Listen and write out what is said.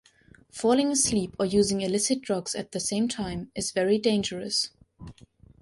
Falling asleep or using illicit drugs at the same time is very dangerous.